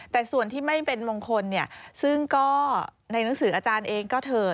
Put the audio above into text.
แต่ส่วนที่ไม่เป็นมงคลซึ่งก็ในหนังสืออาจารย์เองก็เถิด